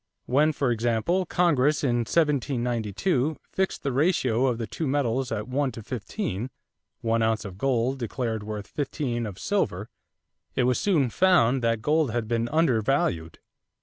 When, for example, Congress in 1792 fixed the ratio of the two metals at one to fifteen one ounce of gold declared worth fifteen of silver it was soon found that gold had been undervalued.